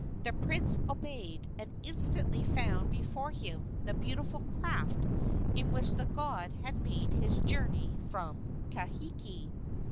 The prince obeyed, and instantly found before him the beautiful craft in which the god had made his journey from Kahiki.